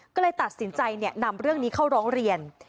ก็เลยตัดสินใจนำเรื่องนี้เข้าร้องเรียน